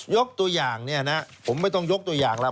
ยกตัวอย่างเนี่ยนะผมไม่ต้องยกตัวอย่างแล้ว